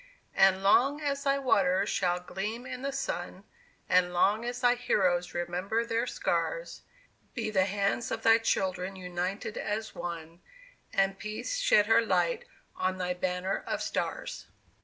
And long as thy waters shall gleam in the sun, And long as thy heroes remember their scars, Be the hands of thy children united as one, And Peace shed her light on thy Banner of Stars!